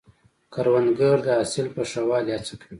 کروندګر د حاصل په ښه والي هڅې کوي